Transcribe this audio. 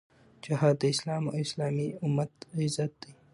جهاد د اسلام او اسلامي امت عزت دی.